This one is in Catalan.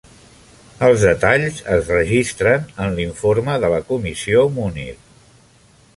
Els detalls es registren en l'Informe de la comissió Munir.